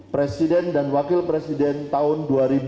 presiden dan wakil presiden tahun dua ribu sembilan belas